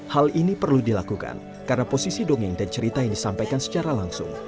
hal ini perlu dilakukan karena posisi dongeng dan cerita yang disampaikan secara langsung